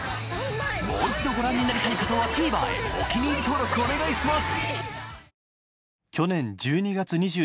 もう一度ご覧になりたい方はＴＶｅｒへお気に入り登録お願いします！